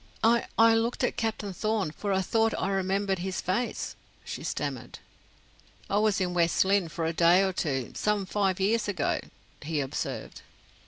"I I looked at Captain Thorn, for I thought I remembered his face," she stammered. "I was in West Lynne for a day or two, some five years ago," he observed.